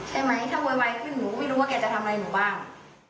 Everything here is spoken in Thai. ใช่ไหมถ้าโวยวายขึ้นหนูก็ไม่รู้ว่าแกจะทำอะไรหนูบ้าง